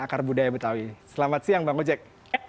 akar budaya betawi selamat siang bang ojek